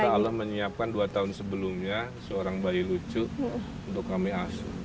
ya allah menyiapkan dua tahun sebelumnya seorang bayi lucu untuk kami asuh